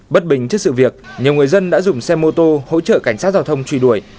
bất bình trước sự việc nhiều người dân đã dùng xe mô tô hỗ trợ cảnh sát giao thông truy đuổi